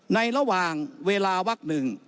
ในระหว่างเวลาวัก๑